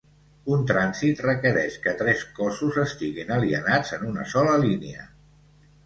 Un trànsit requereix que tres cossos estiguin alineats en una sola línia.